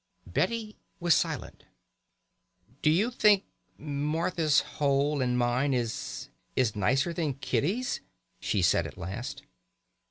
Betty was silent. "Do you think Martha's hole and mine is nicer than Kitty's?" she said at last.